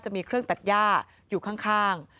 จะมีเครื่องตัดย่าอยู่ข้าง